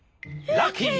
ラッキー！